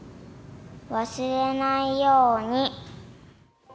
わすれないように。